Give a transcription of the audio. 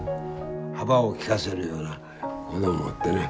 幅を利かせるような者もおってね